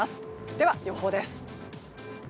では、予報です。